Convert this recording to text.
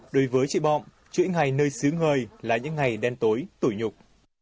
đối với chị bọm chuyện ngày nơi xứ người là những ngày đen tối tủi nhục